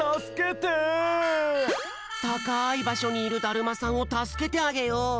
たかいばしょにいるだるまさんをたすけてあげよう。